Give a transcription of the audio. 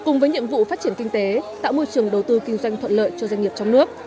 cùng với nhiệm vụ phát triển kinh tế tạo môi trường đầu tư kinh doanh thuận lợi cho doanh nghiệp trong nước